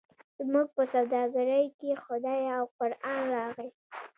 زموږ په سوداګرۍ کې خدای او قران راغی.